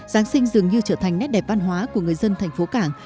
giáng sinh dường như trở thành nét đẹp văn hóa của người dân thành phố cảng